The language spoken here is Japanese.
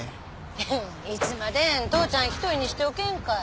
フフッいつまでん父ちゃん１人にしておけんかい。